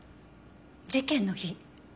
事件の日？